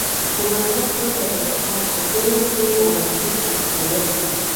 په نوزاد کي په اسحق زو کي عمرزي اکثريت دي.